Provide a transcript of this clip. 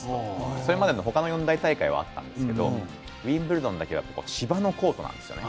それまで他の四大大会はあったんですけれどもウィンブルドンだけは芝のコートなんですよね。